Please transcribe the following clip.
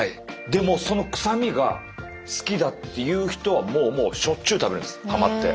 でもその臭みが好きだっていう人はもうしょっちゅう食べるんですハマって。